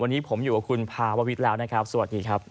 วันนี้ผมอยู่กับคุณภาววิทย์แล้วนะครับสวัสดีครับ